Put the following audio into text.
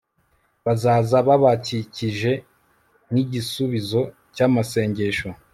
bazaza babakikize nkigisubizo cyamasengesho